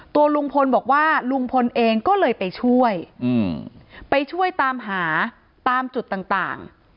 ตัวลุงพลบอกว่าลุงพลเองก็เลยไปช่วยไปช่วยตามหาตามจุดต่าง